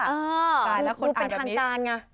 คือเป็นทางการไง